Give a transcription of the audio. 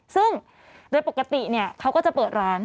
ซึ่งโดยปกติเขาก็จะเปิดร้าน